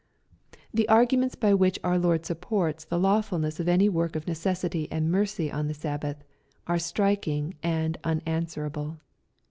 The arguments by which our Lord supports the lawful ness of any work of necessity and mercy on the Sabbath, are striking and unanswerable.